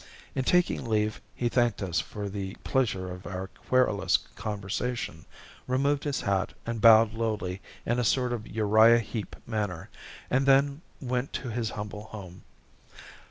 In taking leave he thanked us for the pleasure of our querulous conversation, removed his hat, and bowed lowly in a sort of Uriah Heep manner, and then went to his humble home.